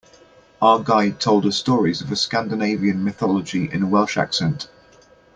Our guide told us stories of Scandinavian mythology in a Welsh accent.